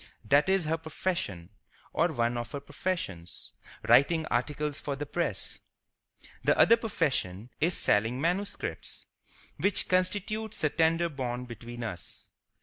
That is her profession, or one of her professions—writing articles for the press. The other profession is selling manuscripts, which constitutes the tender bond between us.